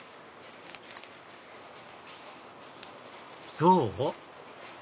どう？